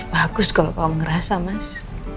bagus kalau kamu ngerasa mas